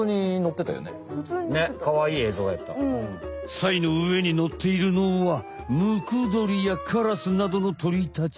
サイの上に乗っているのはムクドリやカラスなどの鳥たち。